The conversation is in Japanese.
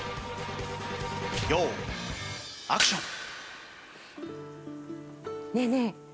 用意アクション。